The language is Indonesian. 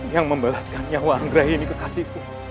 yang membalaskan nyawa anggrai ini kekasihku